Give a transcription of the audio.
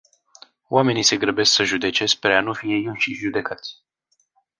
Oamenii se grăbesc să judece spre a nu fi ei înșiși judecați.